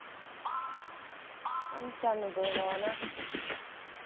わんちゃんの動画はね。